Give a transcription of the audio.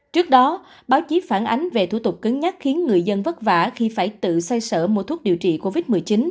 trước đó báo chí phản ánh về thủ tục cứng nhắc khiến người dân vất vả khi phải tự say sở mua thuốc điều trị covid một mươi chín